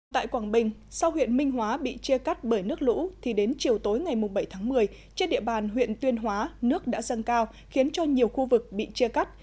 tại quảng bình sau huyện minh hóa bị chia cắt bởi nước lũ thì đến chiều tối ngày bảy tháng một mươi trên địa bàn huyện tuyên hóa nước đã dâng cao khiến cho nhiều khu vực bị chia cắt